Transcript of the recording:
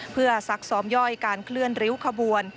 เพื่อซักซ้อมย่อยการเคลื่อนริ้วขบวน